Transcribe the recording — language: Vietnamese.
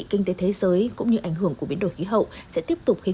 kinh tế thế giới cũng như ảnh hưởng của biến đổi khí hậu sẽ tiếp tục khiến